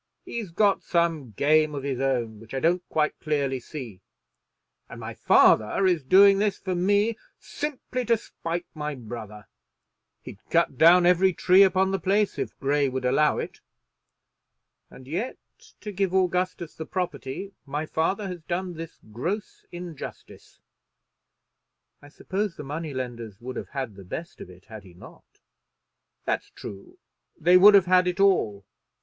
He's got some game of his own which I don't quite clearly see, and my father is doing this for me simply to spite my brother. He'd cut down every tree upon the place if Grey would allow it. And yet, to give Augustus the property, my father has done this gross injustice." "I suppose the money lenders would have had the best of it had he not." "That's true. They would have had it all.